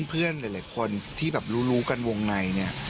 เพื่อนหลายคนที่แบบรู้กันวงในเนี่ย